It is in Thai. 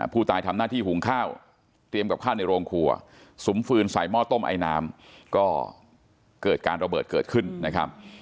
ผู้ตายทำหน้าที่หุงข้าวเตรียมกับข้าวในโรงครัวสุมฟืนใส่หม้อต้มไอน้ำก็เกิดการระเบิดเกิดขึ้นนะครับ